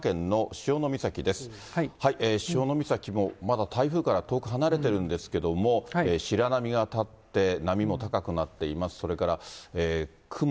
潮岬も、まだ台風から遠く離れているんですけれども、白波が立って、波も高くなっています。